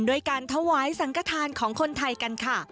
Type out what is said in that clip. ด้วยการถวายสังกฐานของคนไทยกันค่ะ